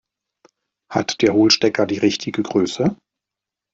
Hat der Hohlstecker die richtige Größe?